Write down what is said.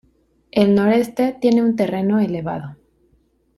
El noreste tiene un terreno elevado.